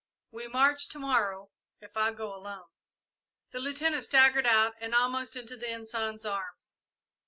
We march to morrow, if I go alone!" The Lieutenant staggered out and almost into the Ensign's arms.